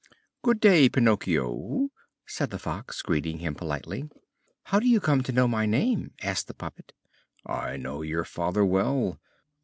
"Good day, Pinocchio," said the Fox, greeting him politely. "How do you come to know my name?" asked the puppet. "I know your father well."